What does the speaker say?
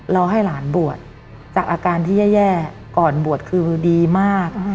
ให้หลานบวชจากอาการที่แย่ก่อนบวชคือดีมาก